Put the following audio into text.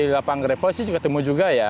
kalau di lapangan reposi ketemu juga ya